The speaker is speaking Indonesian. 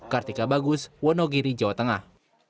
kartika bagus wonogiri jawa tengah